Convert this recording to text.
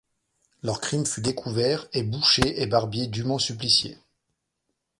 Leur crime fut découvert et boucher et barbier dûment suppliciés.